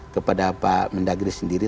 kepada pak mendagri sendiri